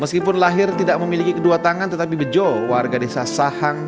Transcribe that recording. meskipun lahir tidak memiliki kedua tangan tetapi bejo warga desa sahang